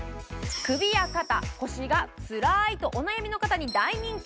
首や肩、腰がつらいとお悩みの方に大人気。